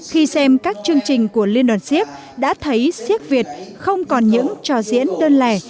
khi xem các chương trình của liên đoàn siếc đã thấy siếc việt không còn những trò diễn đơn lẻ